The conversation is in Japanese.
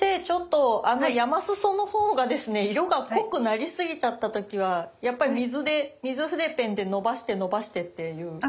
ちょっと山裾の方がですね色が濃くなりすぎちゃった時はやっぱり水で水筆ペンでのばしてのばしてっていう？